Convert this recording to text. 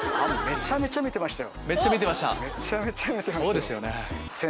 めちゃめちゃ見てました。